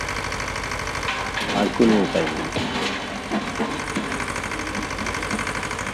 আর কোনো উপায় নেই।